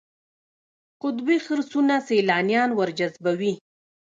قطبي خرسونه سیلانیان ورجذبوي.